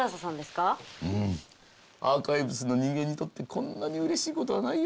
アーカイブスの人間にとってこんなにうれしいことはないよ。